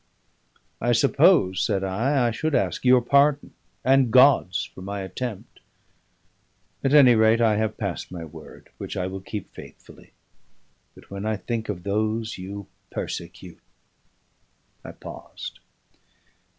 "I suppose," said I, "I should ask your pardon and God's for my attempt. At any rate, I have passed my word, which I will keep faithfully. But when I think of those you persecute " I paused.